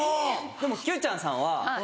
でもＱちゃんさんは。